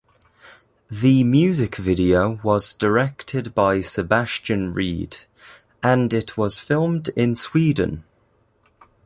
The music video was directed by Sebastian Reed, and it was filmed in Sweden.